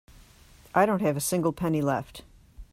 I don't have a single penny left.